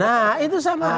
nah itu sama